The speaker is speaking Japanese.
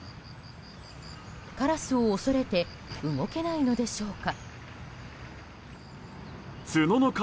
カラスを恐れて動けないのでしょうか？